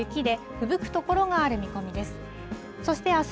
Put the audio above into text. ふぶく所がある見込みです。